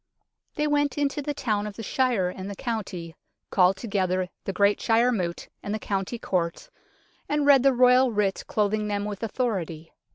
They went into the town of the shire and the county, called together the great shire moot and the county court, and read the Royal writ cloth 74 UNKNOWN LONDON ing them with authority.